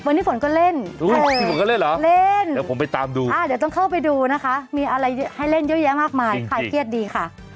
วันนี้ฝนก็เล่นเหรอเล่นอ่าเดี๋ยวต้องเข้าไปดูนะคะมีอะไรให้เล่นเยอะแยะมากมายใครเครียดดีค่ะ